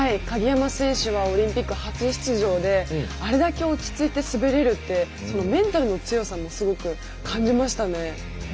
鍵山選手がオリンピック初出場であれだけ落ち着いて滑れるってメンタルの強さもすごく感じましたね。